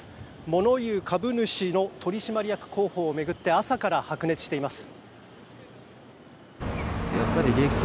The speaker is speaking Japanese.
物言う株主の取締役候補を巡って朝から白熱しています。